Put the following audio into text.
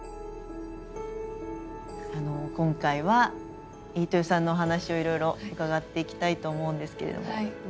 今回は飯豊さんのお話をいろいろ伺っていきたいと思うんですけれども。